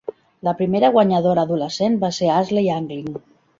La primera guanyadora adolescent va ser Ashley Anglin.